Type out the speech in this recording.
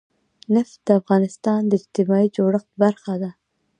نفت د افغانستان د اجتماعي جوړښت برخه ده.